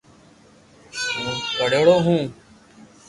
ھون پڙھيڙو ھون